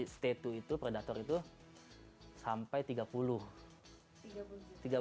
stay to itu predator itu sampai tiga puluh